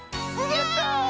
やった！